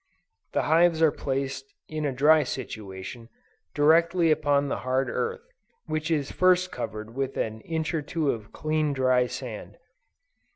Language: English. The hives are placed in a dry situation, directly upon the hard earth, which is first covered with an inch or two of clean, dry sand.